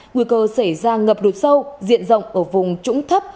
nguy cơ xảy ra ngập lụt sâu diện rộng ở vùng trũng thấp